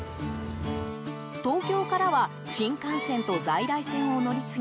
東京からは新幹線と在来線を乗り継ぎ